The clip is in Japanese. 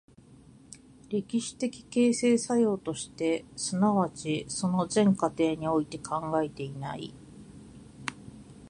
歴史的形成作用として、即ちその全過程において考えていない。